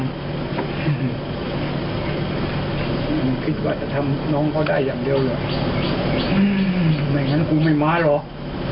คิดว่าจะทำน้องเขาได้อย่างเดียวเหรออืมไม่งั้นกูไม่มาหรอก